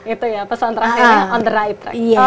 itu ya pesawat terakhirnya on the right track